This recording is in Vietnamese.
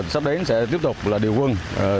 sắp đến sẽ tiếp tục điều quân